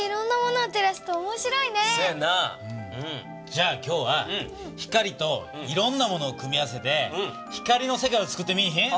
じゃあ今日は光といろんなものを組み合わせて光の世界をつくってみいひん？